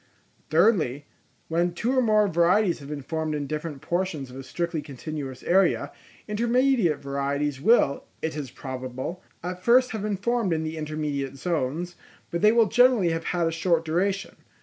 Thirdly, when two or more varieties have been formed in different portions of a strictly continuous area, intermediate varieties will, it is probable, at first have been formed in the intermediate zones, but they will generally have had a short duration.